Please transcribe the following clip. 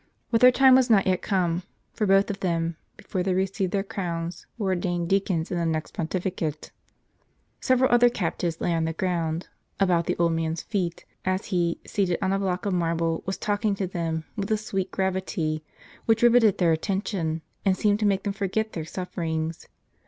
* But their time was not yet come ; for both of them, before they received their crowns, were ordained deacons in the next pontificate. Several other captives lay on the ground, about the old man's feet, as he, seated on a block of marble, was talking to them, with a sweet gravity, which riveted their attention, and seemed to make them forget their sufferings.